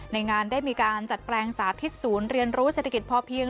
ในงานได้มีการจัดแปลงสาธิตศูนย์เรียนรู้เศรษฐกิจพอเพียง